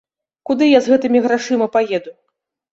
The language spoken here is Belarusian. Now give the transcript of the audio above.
Куды я з гэтымі грашыма паеду?